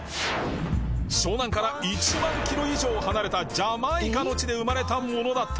湘南から１万キロ以上離れたジャマイカの地で生まれたものだった